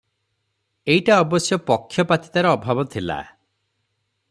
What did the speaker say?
ଏଇଟା ଅବଶ୍ୟ ପକ୍ଷ ପାତିତାର ଅଭାବ ଥିଲା ।